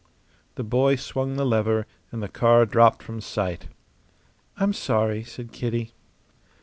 The boy swung the lever, and the car dropped from sight. "I'm sorry," said Kitty.